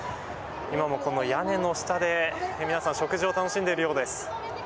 今もこの屋根の下で皆さん食事を楽しんでいるようです。